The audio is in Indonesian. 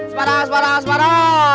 separa separa separa